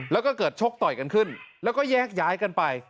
แล้วก็เกิดชกต่อยกันขึ้นแล้วก็แยกย้ายกันไป